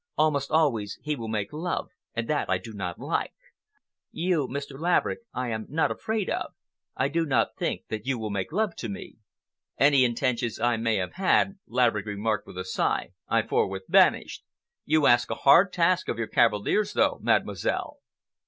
Almost always he will make love, and that I do not like. You, Mr. Laverick, I am not afraid of. I do not think that you will make love to me." "Any intentions I may have had," Laverick remarked, with a sigh, "I forthwith banish. You ask a hard task of your cavaliers, though, Mademoiselle."